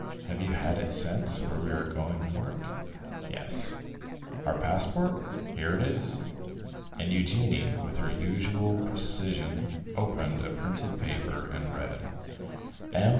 "Have you had it sent where we are to go for it?" "Yes." "Our passport?" "Here it is." And Eugénie, with her usual precision, opened a printed paper, and read: "M.